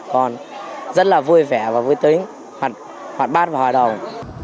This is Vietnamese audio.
còn rất là vui vẻ và vui tính hoạt ban và hòa đồng